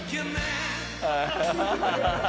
アハハハハ！